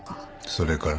それから？